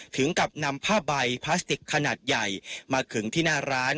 ถึงกับนำผ้าใบพลาสติกขนาดใหญ่มาขึงที่หน้าร้าน